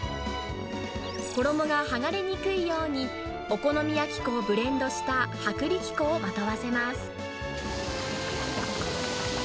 衣が剥がれにくいように、お好み焼き粉をブレンドした薄力粉をまとわせます。